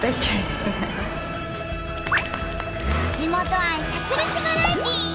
地元愛さく裂バラエティー！